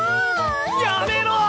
やめろ！